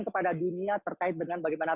kepada dunia terkait dengan bagaimana